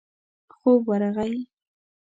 خوب ورغی.